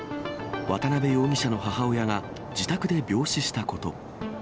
渡辺容疑者の母親が、自宅で病死したこと。